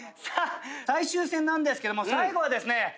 さあ最終戦なんですけども最後はですね